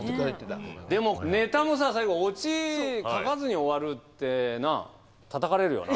でもネタもさ最後オチ書かずに終わるってなあたたかれるよな。